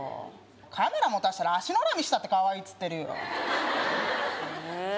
カメラ持たしたら足の裏見したってかわいいっつってるよええー